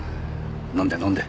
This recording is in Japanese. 飲んで飲んで。